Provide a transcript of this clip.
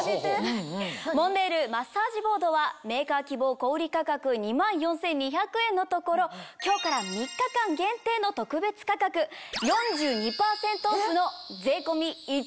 モンデールマッサージボードはメーカー希望小売価格２万４２００円のところ今日から３日間限定の特別価格４２％オフの。